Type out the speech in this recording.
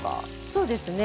そうですね。